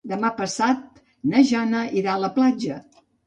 Demà passat na Jana irà a la platja.